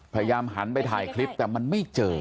พยายามหันไปถ่ายคลิปแต่มันไม่เจอ